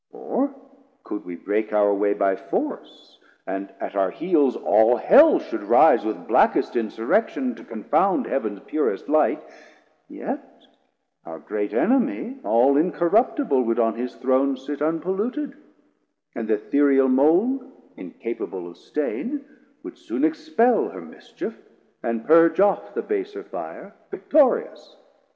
Or could we break our way By force, and at our heels all Hell should rise With blackest Insurrection, to confound Heav'ns purest Light, yet our great Enemie All incorruptible would on his Throne Sit unpolluted, and th' Ethereal mould Incapable of stain would soon expel 140 Her mischief, and purge off the baser fire Victorious.